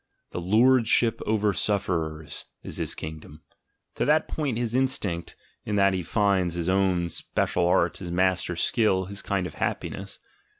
The lordship over sufferers is his kingdom, to that points his instinct, in that he finds his own spe cial art, his master skill, his kind of happiness.